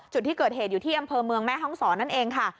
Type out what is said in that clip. จุดที่เกิดเหตุอยู่ที่อำเภอเมืองแม่ห้องศรนั่นเองค่ะ